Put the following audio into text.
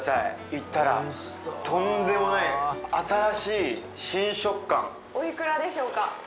行ったらとんでもない新しい新食感おいくらでしょうか？